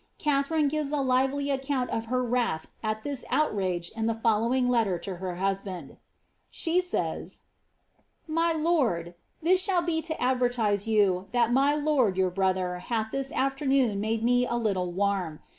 Katharine gives a lively account of her wrath at this outrage in the following letter to her hus band.' She sayi « My lord, Thi^ tthnll be to advertise yon that my lord your brother hath this adernoon made me a little warm.